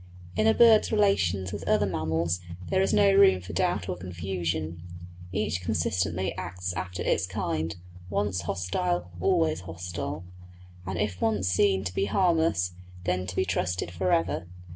In a bird's relations with other mammals there is no room for doubt or confusion; each consistently acts after its kind; once hostile, always hostile; and if once seen to be harmless, then to be trusted for ever.